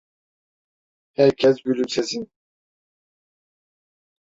Herkes gülümsesin.